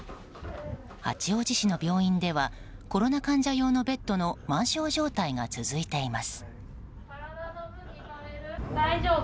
八王子市の病院ではコロナ患者用のベッドの満床状態が続いています。